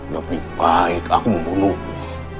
lebih baik aku membunuhmu